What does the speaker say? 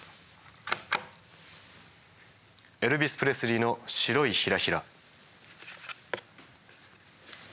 エルヴィス・プレスリーの白いひらひら。